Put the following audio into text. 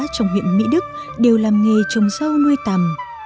trong huyện mỹ đức đều làm nghề trồng dâu nuôi tầm